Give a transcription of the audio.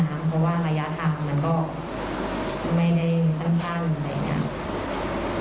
เพราะว่าระยะทางมันก็ไม่ได้สั้นอะไรอย่างนี้